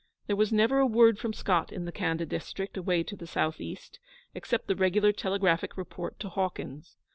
There was never a word from Scott in the Khanda district, away to the south east, except the regular telegraphic report to Hawkins.